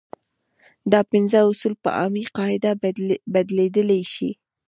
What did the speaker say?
دا پنځه اصول په عامې قاعدې بدلېدلی شي.